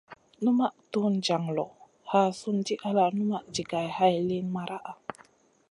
Numaʼ tun jaŋ loʼ, haa sùn di ala numaʼ jigay hay liyn maraʼa.